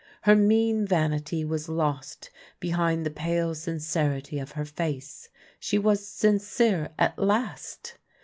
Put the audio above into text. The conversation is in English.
Her mean vanity was lost behind the pale sincerity of her face — she was sin cere at last